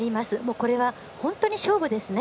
これは本当に勝負ですね。